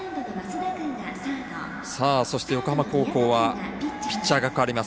そして、横浜高校はピッチャーが代わります。